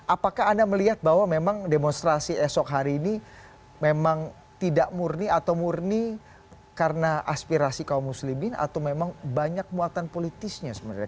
apakah anda melihat bahwa memang demonstrasi esok hari ini memang tidak murni atau murni karena aspirasi kaum muslimin atau memang banyak muatan politisnya sebenarnya